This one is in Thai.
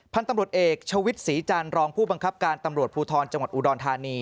พันธุ์ตำรวจเอกชวิตศรีจันทร์รองผู้บังคับการตำรวจภูทรจังหวัดอุดรธานี